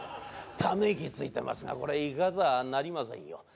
ため息ついてますがこれ行かずはなりませんよ。